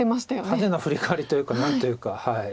派手なフリカワリというか何というか。